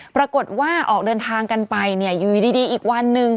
ปรากฏว่าออกเดินทางกันไปอยู่ดีอีกวันหนึ่ง